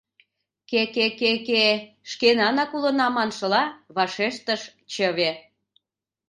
— Кэ-кэ-кэ-э... — шкенанак улына маншыла, вашештыш чыве.